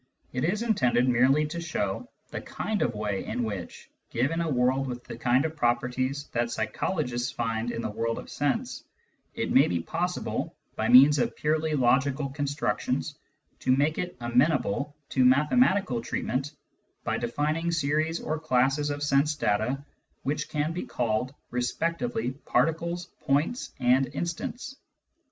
It is intended merely to show the kind of way in which, given a world with the kind of properties that psychologists find in the world of sense, it may be possible, by means of purely logical constructions, to make it amenable to mathematical treat ment by defining series or classes of sense data which can be called respectively particles, points, and instants.